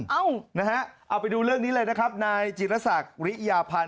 เอานะฮะเอาไปดูเรื่องนี้เลยนะครับนายจิรษักริยาพันธ